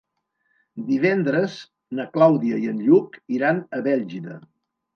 Divendres na Clàudia i en Lluc iran a Bèlgida.